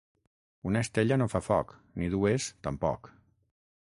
Una estella no fa foc; ni dues tampoc.